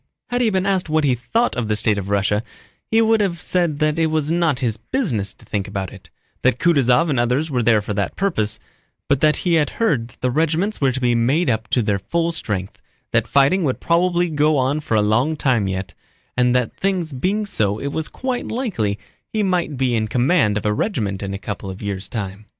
Had he been asked what he thought of the state of Russia, he would have said that it was not his business to think about it, that Kutúzov and others were there for that purpose, but that he had heard that the regiments were to be made up to their full strength, that fighting would probably go on for a long time yet, and that things being so it was quite likely he might be in command of a regiment in a couple of years' time.